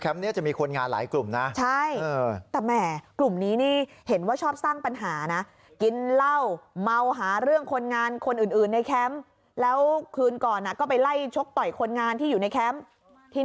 เข้าไปเข้าไปเข้าไปเข้าไปเข้าไปเข้าไปเข้าไปเข้าไปเข้าไปเข้าไปเข้าไปเข้าไปเข้าไปเข้าไปเข้าไปเข้าไปเข้าไปเข้าไป